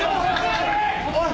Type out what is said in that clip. おい！